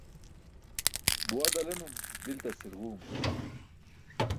Buwa dalenum, diltar cilġuum.